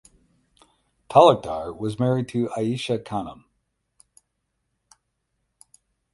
Talukdar was married to Ayesha Khanam.